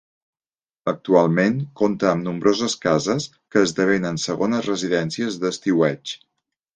Actualment compta amb nombroses cases que esdevenen segones residències d'estiueig.